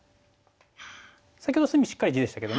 先ほど隅しっかり地でしたけどね。